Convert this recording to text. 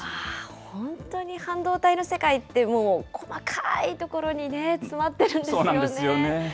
本当に半導体の世界って、もう細かい所に詰まってるんですよね。